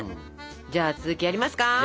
じゃあ続きやりますか？